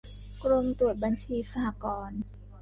กรมตรวจบัญชีสหกรณ์